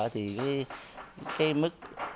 thì cái mức